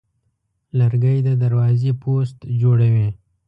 لرګی د دروازې پوست جوړوي.